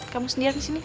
kamu sendirian di sini